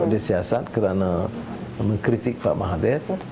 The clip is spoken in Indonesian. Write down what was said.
disiasat karena mengkritik pak mahathir